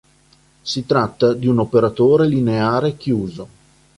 Si tratta di un operatore lineare chiuso.